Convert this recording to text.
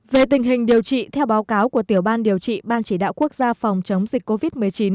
về tình hình điều trị theo báo cáo của tiểu ban điều trị ban chỉ đạo quốc gia phòng chống dịch covid một mươi chín